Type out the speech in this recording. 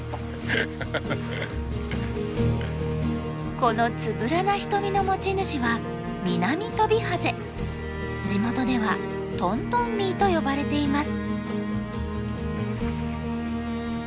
このつぶらな瞳の持ち主は地元ではトントンミーと呼ばれています。